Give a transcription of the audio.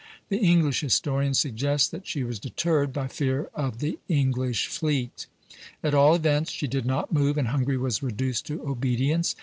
The English historian suggests that she was deterred by fear of the English fleet; at all events she did not move, and Hungary was reduced to obedience.